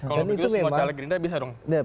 kalau begitu semua calon gerinda bisa dong fundraising